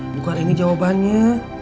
bukan ini jawabannya